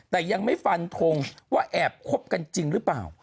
แต่ยังไม่ฟันทงว่าแอบคบกันจริงหรือเปล่า